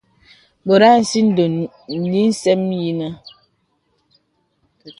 Bòt à sìdòn lìsɛm yìnə̀.